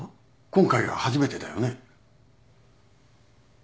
今回が初めてだよね？